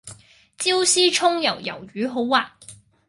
椒絲蔥油魷魚好滑